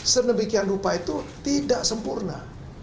sedemikian rupa itu tidak sempurna